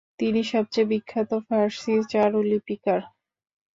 তিনি সবচেয়ে বিখ্যাত ফার্সি চারুলিপিকার।